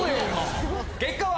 結果は？